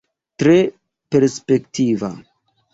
Tre perspektiva.